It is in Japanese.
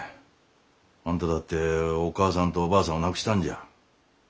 あんただってお母さんとおばあさんを亡くしたんじゃ。